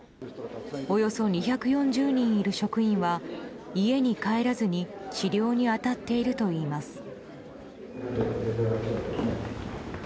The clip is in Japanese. およそ２４０人いる職員は家に帰らずに治療に当たっているといいます。